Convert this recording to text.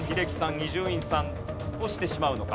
伊集院さん落ちてしまうのか。